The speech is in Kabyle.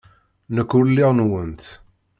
Nekk ur lliɣ nwent.